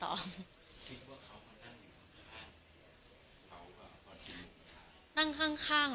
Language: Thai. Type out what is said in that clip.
คิดว่าเขาก็นั่งอยู่ข้างเราก็กินอยู่ข้าง